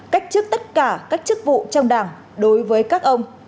cách trước tất cả các chức vụ trong đảng đối với các ông